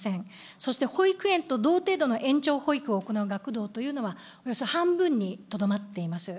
そして、保育園と同程度の延長保育を行う学童というのは、およそ半分にとどまっています。